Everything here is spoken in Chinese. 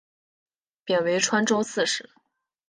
贬为川州刺史。